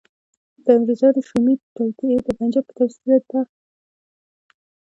د انګریزانو شومي توطیې د پنجاب په توسط تطبیق کیږي.